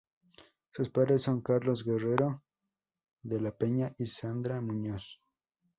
Sus padres son Carlos Guerrero de la Peña y Sandra Muñoz.